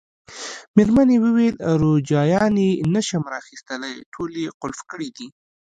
مېرمنې وویل: روجایانې نه شم را اخیستلای، ټولې یې قلف کړي دي.